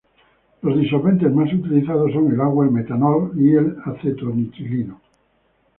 Los disolventes más utilizados son el agua, el metanol y el acetonitrilo.